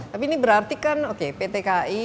tapi ini berarti kan oke pt kai